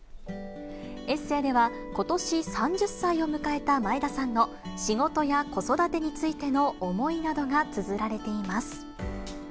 エッセーでは、ことし３０歳を迎えた前田さんの仕事や子育てについての思いなどがつづられています。